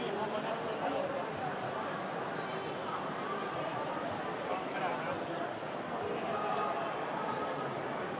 สวัสดีครับ